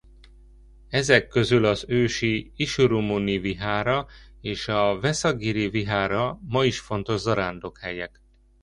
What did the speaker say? Ezek közül az ősi Isurumuni-vihára és a veszagiri-vihára ma is fontos zarándokhelyek.